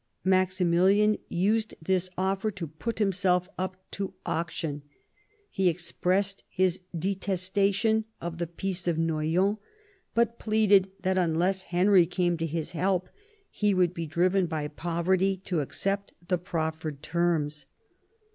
Maximilian used thi6 offer to put himself up to auction ; he expressed his detesta tion of the peace of Noyon, but pleaded that unless Henry came to his help he would be driven by poverty to accept the proffered terms.